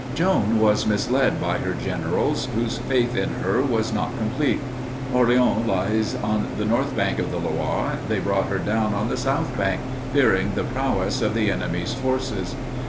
Joan was misled by her generals, whose faith in her was not complete. Orleans lies on the north bank of the Loire; they brought her down on the south bank, fearing the prowess of the enemy's forces.